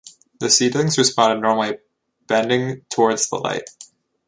The seedlings responded normally bending towards the light.